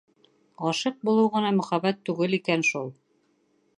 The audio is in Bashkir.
Ғашиҡ булыу ғына мөхәббәт түгел икән шул...